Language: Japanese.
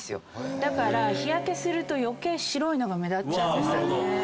だから日焼けすると余計白いのが目立っちゃう。